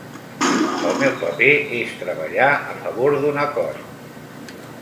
El meu paper és treballar a favor d'un acord.